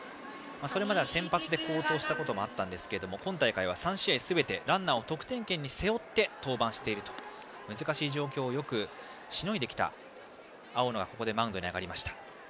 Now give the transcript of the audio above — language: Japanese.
それまでは先発で好投したこともあったんですけど今大会は３試合すべて得点圏にランナーを背負って登板していると難しい状況をよくしのいできた青野がマウンドに上がります。